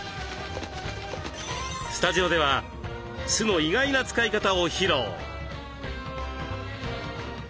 スタジオでは酢の意外な使い方を披露。